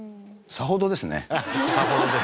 さほどですね。